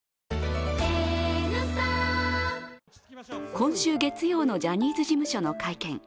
今週月曜のジャニーズ事務所の会見。